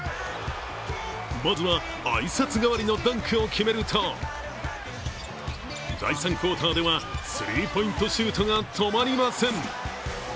まずは挨拶代わりのダンクを決めると第３クオーターではスリーポイントシュートが止まりません。